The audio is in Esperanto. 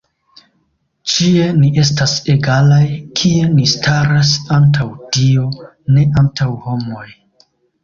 Ĉie ni estas egalaj, kie ni staras antaŭ Dio, ne antaŭ homoj.